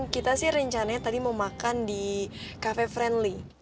kita sih rencananya tadi mau makan di cafe friendly